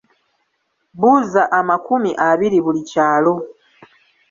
Buuza amakumi abiri buli kyalo.